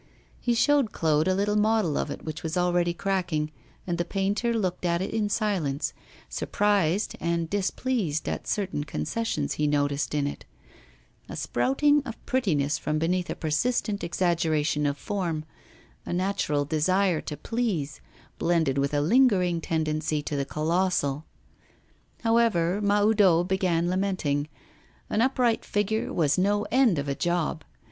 He showed Claude a little model of it, which was already cracking, and the painter looked at it in silence, surprised and displeased at certain concessions he noticed in it: a sprouting of prettiness from beneath a persistent exaggeration of form, a natural desire to please, blended with a lingering tendency to the colossal. However, Mahoudeau began lamenting; an upright figure was no end of a job.